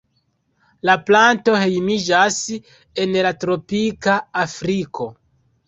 La planto hejmiĝas en la tropika Afriko.